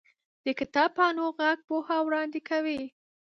د کتاب پاڼو ږغ پوهه وړاندې کوي.